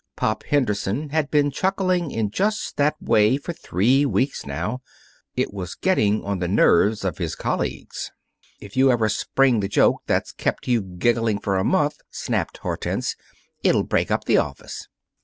Pop Henderson had been chuckling in just that way for three weeks, now. It was getting on the nerves of his colleagues. "If you ever spring the joke that's kept you giggling for a month," snapped Hortense, "it'll break up the office."